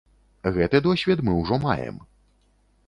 Гэты досвед мы ўжо маем.